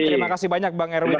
terima kasih banyak bang erwin